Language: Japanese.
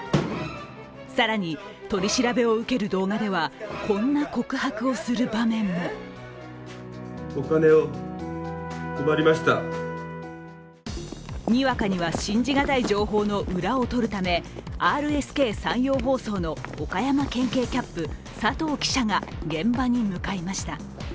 更に、取り調べを受ける動画では、こんな告白をする場面もにわかには信じがたい情報の裏を取るためＲＳＫ山陽放送の岡山県警キャップ佐藤記者が現場に向かいました。